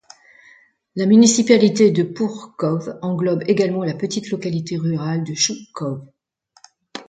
La municipalité de Pouch Cove englobe également la petite localité rurale de Shoe Cove.